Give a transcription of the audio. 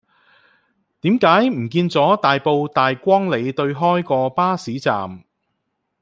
點解唔見左大埔大光里對開嗰個巴士站